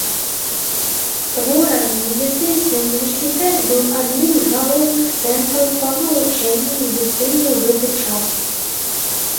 Створаны медыцынскі ўніверсітэт быў адным з галоўных цэнтраў па навучанні медыцыне ў гэты час.